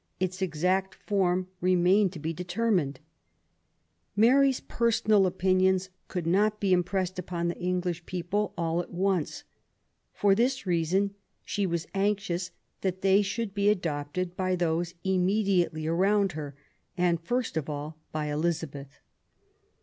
Its exact form remained to be determined. Mary's personal THE YOUTH OF ELIZABETH. 23 opinions could not be impressed upon the English people all at once. For this reason she was anxious that they should be adopted by those immediately around her; and, first of all, by Elizabeth.